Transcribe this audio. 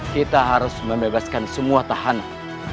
kita harus membebaskan semua tahanan